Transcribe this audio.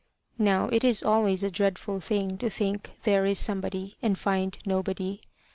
Now it is always a dreadful thing to think there is somebody and find nobody.